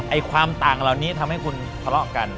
ความต่างเหล่านี้ทำให้คุณทะเลาะกัน